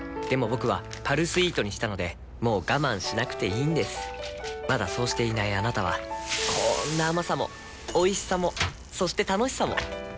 僕は「パルスイート」にしたのでもう我慢しなくていいんですまだそうしていないあなたはこんな甘さもおいしさもそして楽しさもあちっ。